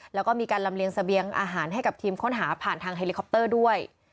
แล้วก็มีการลำเลียงเสบียงอาหารให้กับทีมค้นหาผ่านทางเฮลิคอปเตอร์ด้วย